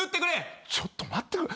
ちょっと待ってくれ。